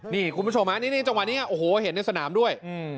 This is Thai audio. นี่คุณผู้ชมฮะนี่จังหวะนี้โอ้โหเห็นในสนามด้วย